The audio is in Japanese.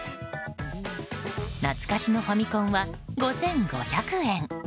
懐かしのファミコンは５５００円。